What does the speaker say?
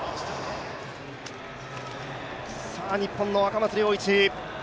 日本の赤松諒一。